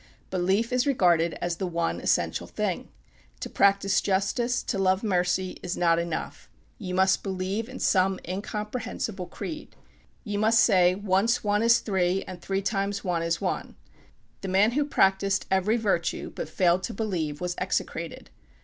Belief is regarded as the one essential thing. To practice justice, to love mercy, is not enough. You must believe in some incomprehensible creed. You must say, "Once one is three, and three times one is one." The man who practiced every virtue, but failed to believe, was execrated.